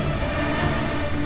jangan pak landung